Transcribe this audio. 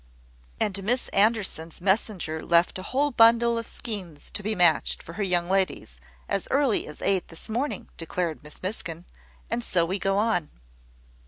"And Miss Anderson's messenger left a whole bundle of skeins to be matched for her young ladies, as early as eight this morning," declared Miss Miskin: "and so we go on."